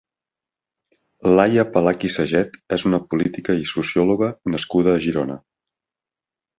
Laia Pèlach i Saget és una política i sociòloga nascuda a Girona.